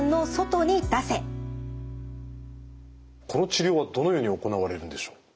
この治療はどのように行われるんでしょう？